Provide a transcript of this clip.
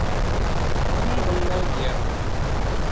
O ningbung laligiya.